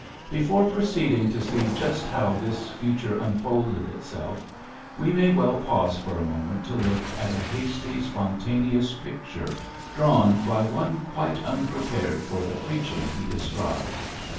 Before proceeding to see just how this future unfolded itself, we may well pause for a moment to look at a hasty, spontaneous picture drawn by one quite unprepared for the preaching he de scribes.